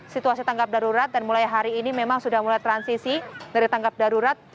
situasi tanggap darurat dan mulai hari ini memang sudah mulai transisi dari tanggap darurat